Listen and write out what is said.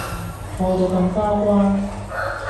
錯到咁交關